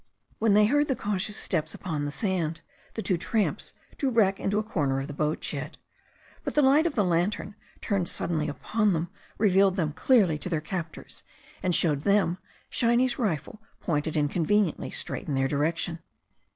When they heard the cautious steps upon the sand, the two tramps drew back into a corner of the boatshed. But the light of a lantern turned suddenly upon them revealed them clearly to their captors, and showed them Shiny's rifle pointed inconveniently straight in their direction.